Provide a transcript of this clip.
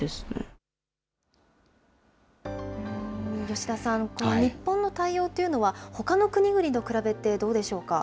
吉田さん、この日本の対応というのは、ほかの国々と比べてどうでしょうか。